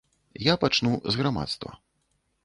Я пачну з грамадства.